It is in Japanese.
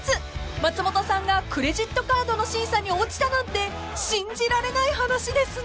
［松本さんがクレジットカードの審査に落ちたなんて信じられない話ですが］